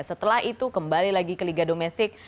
setelah itu kembali lagi ke liga domestik